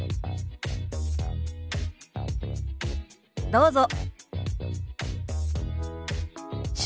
どうぞ。